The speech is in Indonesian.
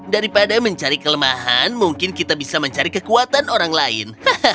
daripada mencari kelemahan mungkin kita bisa mencari kekuatan orang lain